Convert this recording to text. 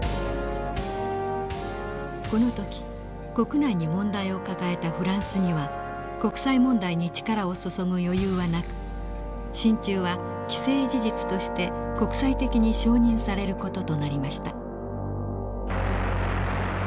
この時国内に問題を抱えたフランスには国際問題に力を注ぐ余裕はなく進駐は既成事実として国際的に承認される事となりました。